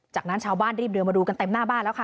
จากนั้นชาวบ้านรีบเดินมาดูกันเต็มหน้าบ้านแล้วค่ะ